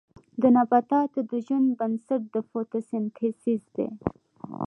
د نباتاتو د ژوند بنسټ د فوتوسنتیز دی